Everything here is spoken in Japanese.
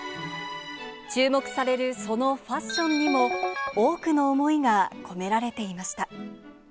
注目されるそのファッションにも、多くの思いが込められていました。